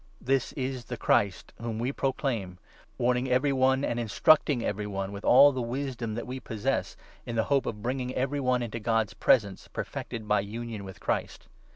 This is the Christ whom we proclaim, warning every one, and instruct ing every one, with all the wisdom that we possess, in the hope of bringing every one into God's presence perfected by union with Christ.